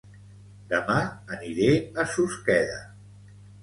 Dema aniré a Susqueda